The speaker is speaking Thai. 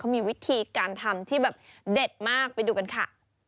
มีวิธีการทำที่แบบเด็ดมากไปดูกันค่ะ